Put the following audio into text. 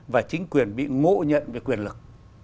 và chính quyền bị ngộ nhận về quyền lực